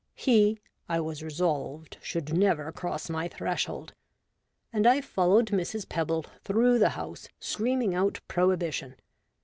He, I was resolved, should never cross my threshold, and I followed Mrs. Pebble through the house, screaming out prohibition.